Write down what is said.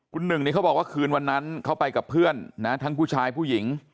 คุณหนึ่งนี่เขาบอกว่าคืนวันนั้นเขาไปกับเพื่อนนะทั้งผู้ชายผู้หญิง